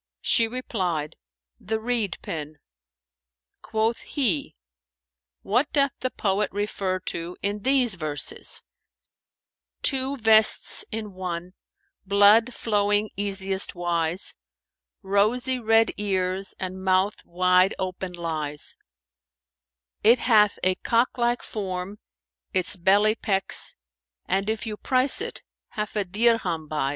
'" She replied, "The reed pen."[FN#443] Quoth he "What doth the poet refer to in these verses, 'Two vests in one; blood flowing easiest wise; * Rosy red ears and mouth wide open lies; It hath a cock like form, its belly pecks * And, if you price it, half a dirham buys.'"